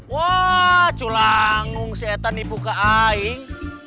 wah culangung si etan ipu keaing